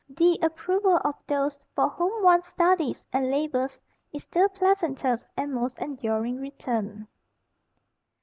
The approval of those for whom one studies and labors is the pleasantest and most enduring return.